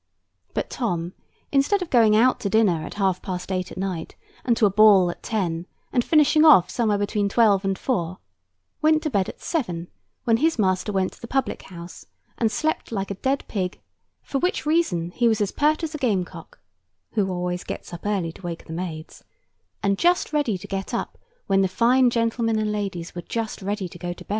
But Tom, instead of going out to dinner at half past eight at night, and to a ball at ten, and finishing off somewhere between twelve and four, went to bed at seven, when his master went to the public house, and slept like a dead pig; for which reason he was as piert as a game cock (who always gets up early to wake the maids), and just ready to get up when the fine gentlemen and ladies were just ready to go to bed.